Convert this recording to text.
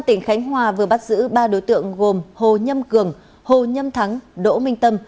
tỉnh khánh hòa vừa bắt giữ ba đối tượng gồm hồ nhâm cường hồ nhâm thắng đỗ minh tâm